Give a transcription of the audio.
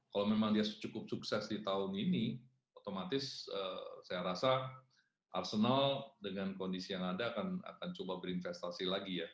kalau memang dia cukup sukses di tahun ini otomatis saya rasa arsenal dengan kondisi yang ada akan coba berinvestasi lagi ya